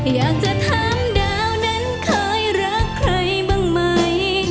อยากจะถามดาวนั้นเคยรักใครบ้างไหม